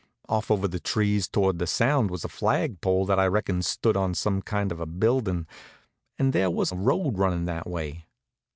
Off over the trees toward the Sound was a flag pole that I reckoned stood on some kind of a buildin' and there was a road runnin' that way.